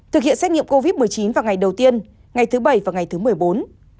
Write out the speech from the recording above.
thực hiện xét nghiệm covid một mươi chín vào ngày đầu tiên ngày thứ bảy và ngày thứ một mươi bốn